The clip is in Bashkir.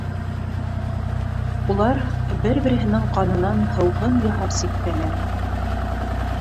Улар... бер- береһенең ҡанынан һыуһын яһар сиктәләр.